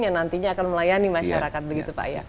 yang nantinya akan melayani masyarakat